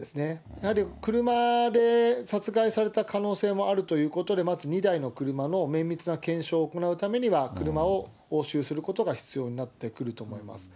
やはり車で殺害された可能性もあるということで、まず２台の車の綿密な検証を行うためには、車を押収することが必要になってくると思います。